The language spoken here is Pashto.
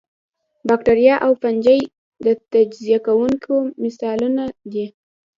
باکتریا او فنجي د تجزیه کوونکو مثالونه دي